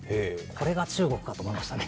これが中国かと思いましたね。